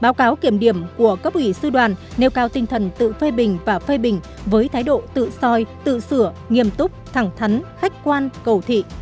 báo cáo kiểm điểm của cấp ủy sư đoàn nêu cao tinh thần tự phê bình và phê bình với thái độ tự soi tự sửa nghiêm túc thẳng thắn khách quan cầu thị